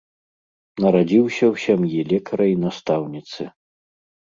Нарадзіўся ў сям'і лекара і настаўніцы.